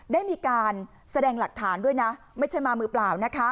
ได้มีการแสดงหลักฐานด้วยนะไม่ใช่มามือเปล่านะคะ